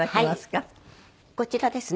こちらですね。